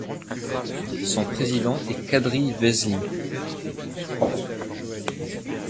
Son président est Kadri Veseli.